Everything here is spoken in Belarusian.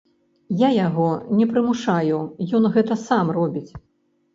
Я яго не прымушаю, ён гэта сам робіць.